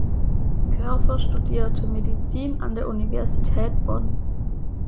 Körfer studierte Medizin an der Universität Bonn.